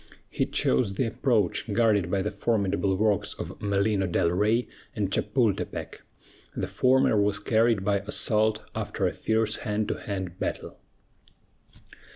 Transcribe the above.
He chose the approach guarded by the formidable works of Malino del Rey and Chapultepec. The former was carried by assault, after a fierce hand to hand battle.